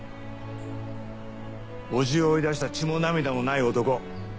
叔父を追い出した血も涙もない男。